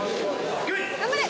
頑張れ！